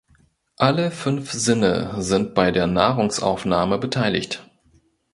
Alle fünf Sinne sind bei der Nahrungsaufnahme beteiligt.